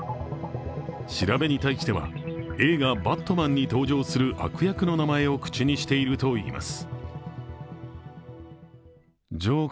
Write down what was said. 調べに対しては映画「バットマン」に登場する悪役の名前を口にしているといいます。